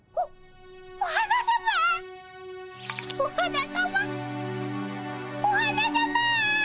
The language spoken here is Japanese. お花さまお花さま。